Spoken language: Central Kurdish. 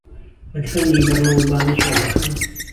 به تفهنگی بڕنهو بانه چۆڵ ئهکهم